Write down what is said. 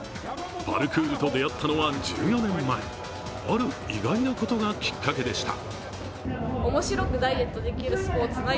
パルクールと出会ったのは１４年前、ある意外なことがきっかけでした。